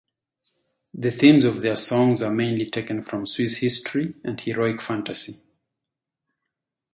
The themes of their songs are mainly taken from Swiss history and heroic fantasy.